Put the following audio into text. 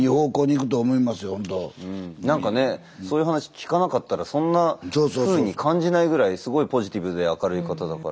なんかねそういう話聞かなかったらそんなふうに感じないぐらいすごいポジティブで明るい方だから。